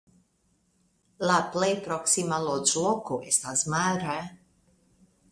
La plej proksima loĝloko estas Mara.